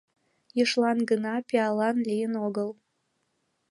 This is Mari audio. Ешлан гына пиалан лийын огыл.